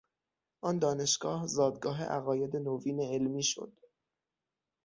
آن دانشگاه زادگاه عقاید نوین علمی شد.